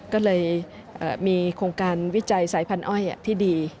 ก็เลยมีโครงการวิจัยสายพันธ้อยที่ดี